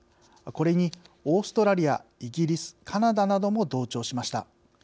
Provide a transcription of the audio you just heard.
これにオーストラリア、イギリスカナダなども同調しました。